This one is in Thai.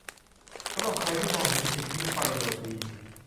สำหรับใครที่มองเห็นสิทธิประโยชน์ดี